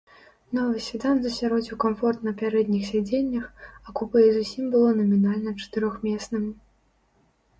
Новы седан засяродзіў камфорт на пярэдніх сядзеннях, а купэ і зусім было намінальна чатырохмесным.